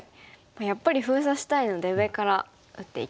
やっぱり封鎖したいので上から打っていきますか。